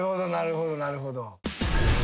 なるほどなるほど。